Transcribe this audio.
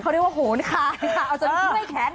เขาเรียกว่าโหนคาน